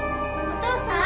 お父さん！